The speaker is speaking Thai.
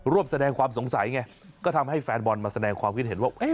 ร่วมแสดงความสงสัยไงก็ทำให้แฟนบอลมาแสดงความคิดเห็นว่า